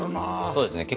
そうですね。